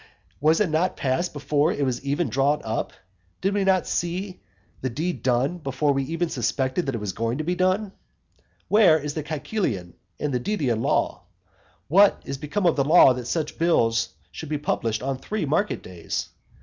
was it not passed before it was even drawn up? Did we not see the deed done before we even suspected that it was going to be done? Where is the Caecilian and Didian law? What is become of the law that such bills should be published on three market days?